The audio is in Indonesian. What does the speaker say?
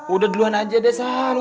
udah duluan aja deh saru